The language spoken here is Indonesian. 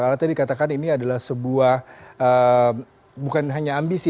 karena tadi dikatakan ini adalah sebuah bukan hanya ambisi